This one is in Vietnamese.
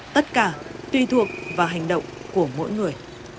tất cả tuy thuộc vào hành động của mỗi người